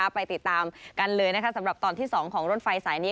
ไปติดตามกันเลยสำหรับตอนที่๒ของรถไฟสายนี้